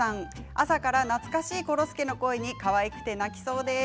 朝から懐かしいコロ助の声にかわいくて泣きそうです。